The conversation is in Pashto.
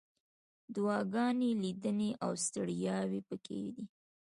دعاګانې، لیدنې، او ستړیاوې پکې دي.